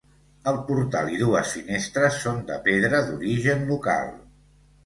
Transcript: El portal i dues finestres són de pedra d'origen local.